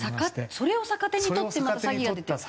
それを逆手に取ってまた詐欺が出て？